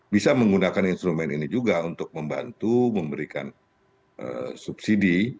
bisa menggunakan instrumen ini juga untuk membantu memberikan subsidi